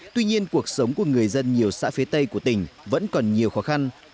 tuy nhiên cuộc sống của người dân nhiều xã phía tây của tỉnh vẫn còn nhiều khó khăn